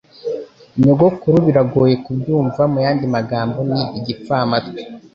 Nyogokuru biragoye kubyumva Muyandi magambo ni igipfamatwi